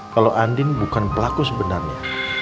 kalau andin bukan pelaku sebenarnya